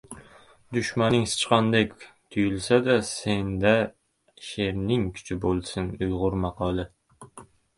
Dushmaning sichqondek tuyulsa-da, senda sherning kuchi bo‘lsin. Uyg‘ur maqoli